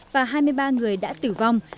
và hai mươi ba người đã tử vong